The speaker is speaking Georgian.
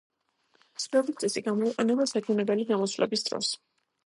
როგორც წესი გამოიყენება საჩვენებელი გამოსვლების დროს.